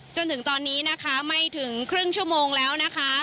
จนถึงตอนนี้นะคะไม่ถึงครึ่งชั่วโมงแล้วนะคะ